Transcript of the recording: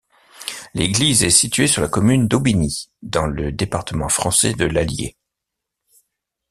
L'église est située sur la commune d'Aubigny, dans le département français de l'Allier.